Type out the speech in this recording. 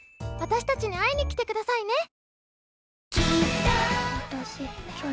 私たちに会いに来てくださいね。